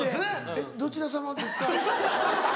「えっどちら様ですか？」。